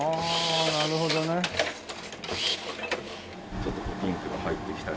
ちょっとピンクが入ってきたり。